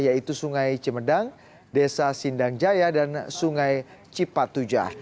yaitu sungai cimedang desa sindang jaya dan sungai cipatujah